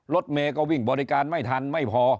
รถเมย์ก็วิ่งบริการไม่ทันไม่พอ